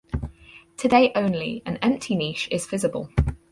Today only an empty niche is visible.